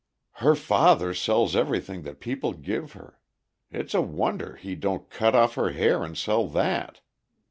"Her father sells everything that people give her—it 's a wonder he don't cut off her hair and sell that.